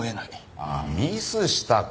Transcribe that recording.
ああミスしたか。